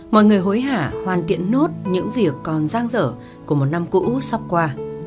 mọi người hối hả hoàn thiện nốt những việc còn giang dở của một năm cũ sắp qua